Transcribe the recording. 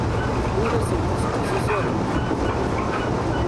Ur asent-ismeḥsis ara.